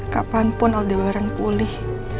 kapanpun aldebaran pulih